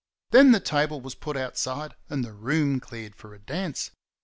Then the table was put outside, and the room cleared for a dance.